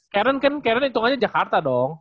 karen kan karen hitungannya jakarta dong